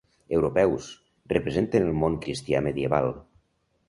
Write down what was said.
Europeus: representen el món cristià medieval.